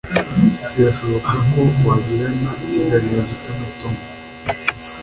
Birashoboka ko wagirana ikiganiro gito na Tom.